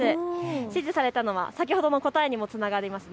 指示されたのは先ほどの答えにもつながります。